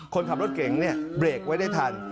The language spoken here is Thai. คนขับรถเก่งเนี่ยเบรกไว้ได้ทัน